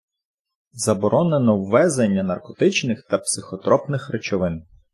Заборонено ввезення наркотичних та психотропних речовин.